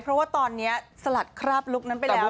เพราะว่าตอนนี้สลัดคราบลุคนั้นไปแล้ว